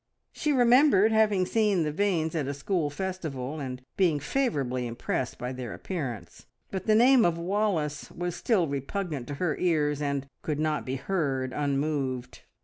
She remembered having seen the Vanes at a school festival, and being favourably impressed by their appearance, but the name of Wallace was still repugnant to her ears, and could not be heard unmoved.